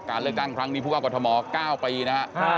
การเลือกตั้งครั้งนี้ผู้ว่ากฎมอร์๙ปีนะฮะ